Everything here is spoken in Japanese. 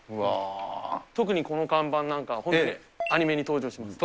特にこの看板なんかは本当にアニメに登場します。